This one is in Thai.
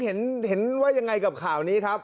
เห็นว่ายังไงกับข่าวนี้ครับ